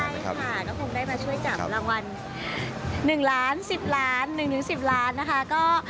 ใช่ค่ะก็คงได้มาช่วยจับรางวัล๑ล้าน๑๐ล้าน๑๑๐ล้านนะคะ